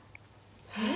えっ！？